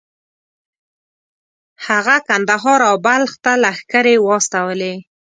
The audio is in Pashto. هغه کندهار او بلخ ته لښکرې واستولې.